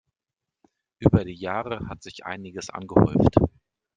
Über die Jahre hat sich einiges angehäuft.